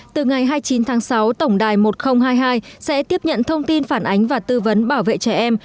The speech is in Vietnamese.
từ ngày hai mươi chín tháng sáu tổng đài một nghìn hai mươi hai sẽ tiếp nhận thông tin phản ánh và tư vấn bảo vệ trẻ em